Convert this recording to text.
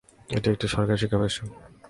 এটি একটি সরকারি শিক্ষা প্রতিষ্ঠান।